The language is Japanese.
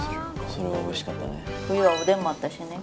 それはおいしかったね。